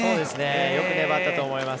よく粘ったと思います。